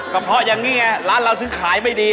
เพาะอย่างนี้ไงร้านเราถึงขายไม่ดี